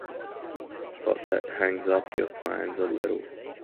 But that hangs up your plans a little.